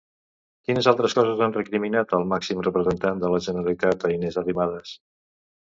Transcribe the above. Quines altres coses ha recriminat el màxim representant de la Generalitat a Inés Arrimadas?